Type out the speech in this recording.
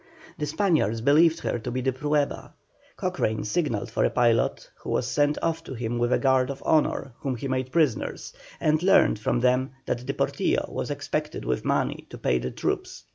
The Spaniards believed her to be the Prueba. Cochrane signalled for a pilot, who was sent off to him with a guard of honour, whom he made prisoners, and learned from them that the Potrillo was expected with money to pay the troops.